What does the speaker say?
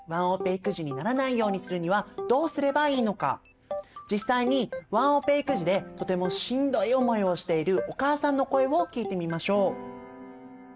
じゃあ実際にワンオペ育児でとてもしんどい思いをしているお母さんの声を聞いてみましょう。